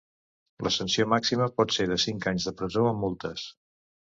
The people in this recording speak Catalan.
La sanció màxima pot ser de cinc anys de presó amb multes.